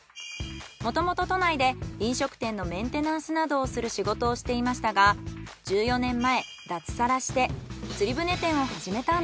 もともと都内で飲食店のメンテナンスなどをする仕事をしていましたが１４年前脱サラして。